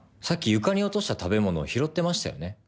さっき床に落とした食べ物を拾ってましたよね？